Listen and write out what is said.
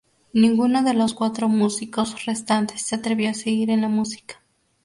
Ninguno de los cuatro músicos restantes se atrevió a seguir en la música.